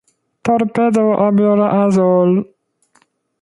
They assist the war fighter in taking tactical advantage of the environment.